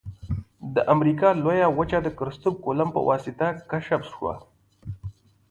د امریکا لویه وچه د کرستف کولمب په واسطه کشف شوه.